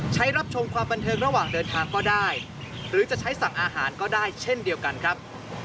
รับชมความบันเทิงระหว่างเดินทางก็ได้หรือจะใช้สั่งอาหารก็ได้เช่นเดียวกันครับ